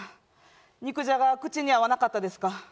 あっ、肉じゃが口に合わなかったですか？